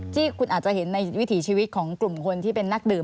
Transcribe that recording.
ที่คุณอาจจะเห็นในวิถีชีวิตของกลุ่มคนที่เป็นนักดื่ม